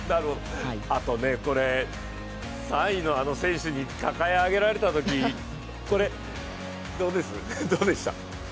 これ、３位の選手に抱え上げられたとき、どうでした？